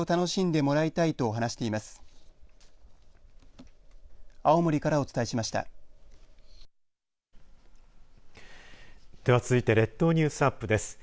では、続いて列島ニュースアップです。